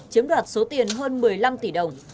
chiếm đoạt số tiền hơn một mươi năm tỷ đồng